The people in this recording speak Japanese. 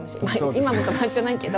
今も友達じゃないけど。